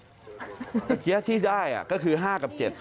เมื่อกี้ที่ได้ก็คือ๕กับ๗